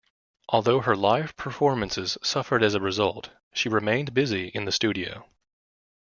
Although her live performances suffered as a result, she remained busy in the studio.